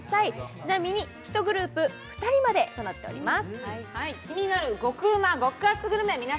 ちなみに１グループ２人までとなっております。